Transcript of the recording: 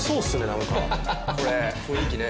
何かこれ雰囲気ね